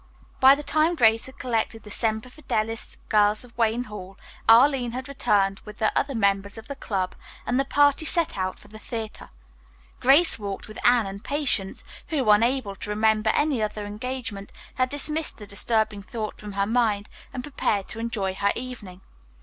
By the time Grace had collected the Semper Fidelis girls of Wayne Hall, Arline had returned with the other members of the club, and the party set out for the theatre. Grace walked with Anne and Patience, who, unable to remember any other engagement, had dismissed the disturbing thought from her mind and prepared to enjoy her evening.